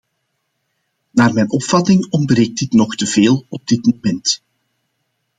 Naar mijn opvatting ontbreekt dit nog te veel op dit moment.